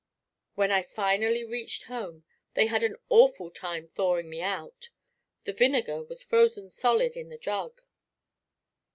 When I finally reached home, they had an awful time thawing me out. The vinegar was frozen solid in the jug.